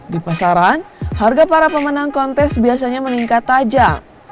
di pasaran harga para pemenang kontes biasanya meningkat tajam